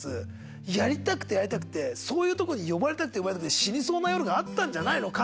やりたくてやりたくてそういうとこに呼ばれたくて死にそうな夜があったんじゃないのか？